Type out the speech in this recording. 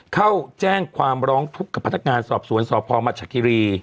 เข้าแจ้งความร้องทุกข์กับพนักงานสอบสวนสพมัชคิรี